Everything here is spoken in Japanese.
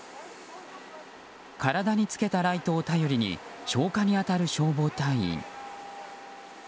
体に付けたライトを頼りに消火に当たる消防隊員。